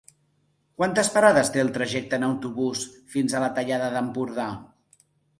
Quantes parades té el trajecte en autobús fins a la Tallada d'Empordà?